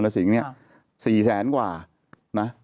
๔แสนกว่านะ